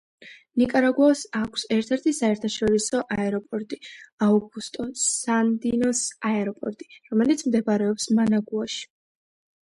ნიკარაგუას აქვს ერთადერთი საერთაშორისო აეროპორტი აუგუსტო სანდინოს აეროპორტი, რომელიც მდებარეობს მანაგუაში.